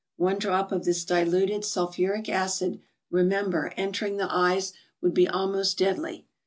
One drop of this diluted sulphuric THE BOOK OF ICES. 80 acid, remember, entering the eyes, would be almost deadly.